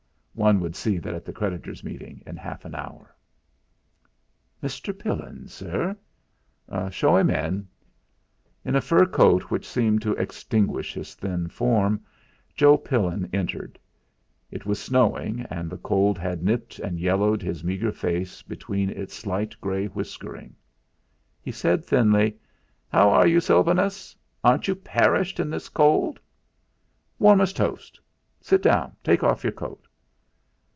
one would see that at the creditors' meeting in half an hour. "Mr. Pillin, sir." "Show him in!" In a fur coat which seemed to extinguish his thin form, Joe Pillin entered. It was snowing, and the cold had nipped and yellowed his meagre face between its slight grey whiskering. He said thinly: "How are you, Sylvanus? Aren't you perished in this cold?" "Warm as a toast. Sit down. Take off your coat."